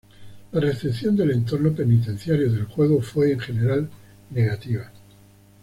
La recepción del entorno penitenciario del juego fue en general negativa.